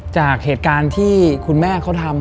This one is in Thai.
จากเหตุการณ์ที่คุณแม่เขาทำ